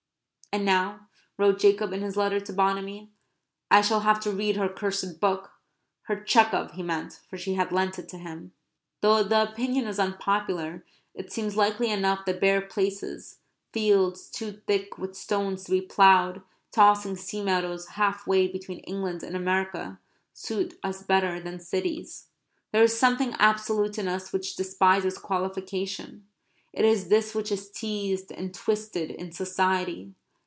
"And now," wrote Jacob in his letter to Bonamy, "I shall have to read her cursed book" her Tchekov, he meant, for she had lent it him. Though the opinion is unpopular it seems likely enough that bare places, fields too thick with stones to be ploughed, tossing sea meadows half way between England and America, suit us better than cities. There is something absolute in us which despises qualification. It is this which is teased and twisted in society.